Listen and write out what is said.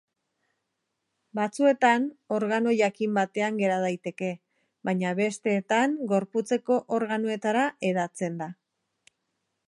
Batzuetan organo jakin batean gera daiteke, baina besteetan gorputzeko organoetara hedatzen da.